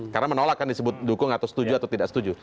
karena menolak kan disebut dukung atau setuju atau tidak setuju